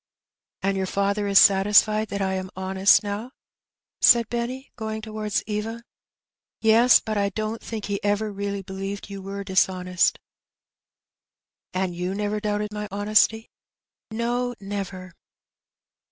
''" And your father is satisfied that I am honest now ?" said Benny, going towards Eva. "Yes; but I don't think that he ever really believed you were dishonest." " And you never doubted my honesty ?" "No, never."